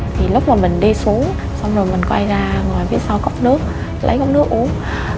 thì lúc mà mình đi xuống xong rồi mình quay ra ngoài phía sau cốc nước lấy ống nước uống